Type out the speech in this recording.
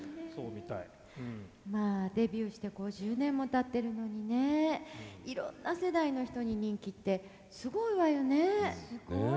まあデビューして５０年もたってるのにねいろんな世代の人に人気ってすごいわよね。